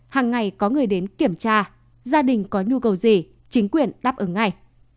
hàng ngày có người đến kiểm tra gia đình có nhu cầu gì chính quyền đáp ứng ngay